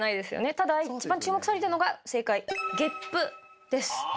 ただいちばん注目されてるのが正解ゲップです。